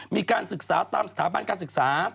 มีการศึกษาตามสถาบันการศึกษา